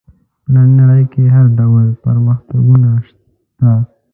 په نننۍ نړۍ کې هر ډول پرمختګونه شته.